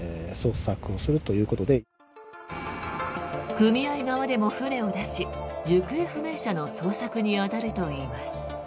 組合側でも船を出し行方不明者の捜索に当たるといいます。